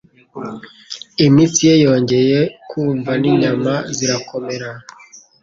Imitsi ye yongera kumva n'inyama zirakomera.